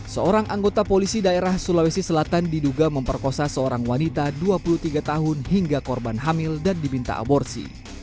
seorang anggota polisi daerah sulawesi selatan diduga memperkosa seorang wanita dua puluh tiga tahun hingga korban hamil dan diminta aborsi